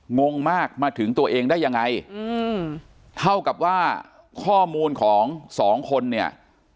งงมากมาถึงตัวเองได้ยังไงอืมเท่ากับว่าข้อมูลของสองคนเนี่ย